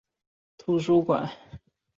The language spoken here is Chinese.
玛罕巴的神秘生物。